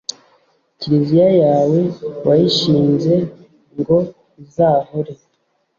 kiliziya yawe wayishinze ngo izahore